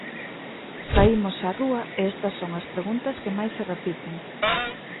Saímos á rúa e estas son as preguntas que máis se repiten.